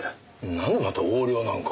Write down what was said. なんでまた横領なんか。